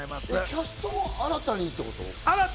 キャストを新たにってこと？